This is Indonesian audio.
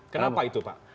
kenapa itu pak